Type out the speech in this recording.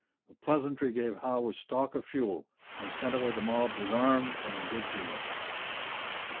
The pleasantry gave Howe a stock of fuel, and sent away the mob disarmed and in good humour.